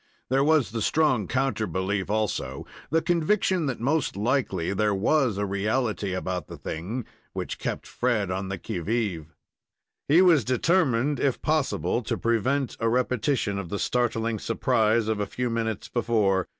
There was the strong counter belief, also the conviction that most likely there was a reality about the thing which kept Fred on the qui vive. He was determined, if possible, to prevent a repetition of the startling surprise of a few minutes before.